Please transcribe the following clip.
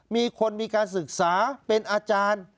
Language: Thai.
มีคนมีการศึกษาเป็นอาจารย์